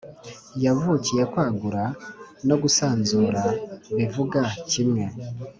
yavukiye kwagura no gusanzura bivuga kimwe